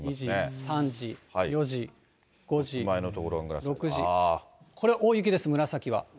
３時、４時、５時、６時、これは大雪です、紫は。